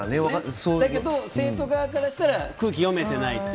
だけど生徒側からしたら空気が読めていないと。